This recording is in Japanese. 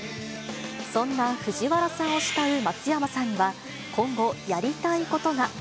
そんな藤原さんを慕う松山さんは、今後、やりたいことが。